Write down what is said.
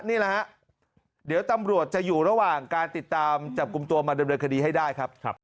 นี่แหละฮะเดี๋ยวตำรวจจะอยู่ระหว่างการติดตามจับกลุ่มตัวมาดำเนินคดีให้ได้ครับ